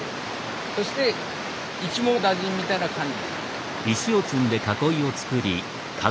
そして一網打尽みたいな感じ。